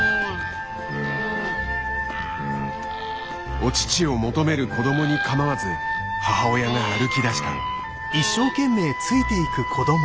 お乳を求める子どもに構わず母親が歩きだした。